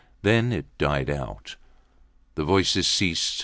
Then it died out. The voices ceased.